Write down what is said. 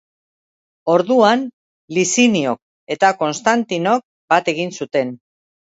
Orduan, Liziniok eta Konstantinok bat egin zuten.